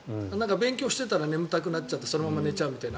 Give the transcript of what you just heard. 勉強してたら眠たくなってそのまま寝ちゃうみたいな。